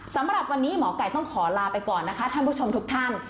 สำหรับวันนี้หมอไก่ต้องขอลาไปก่อนนะคะท่านผู้ชมทุกท่าน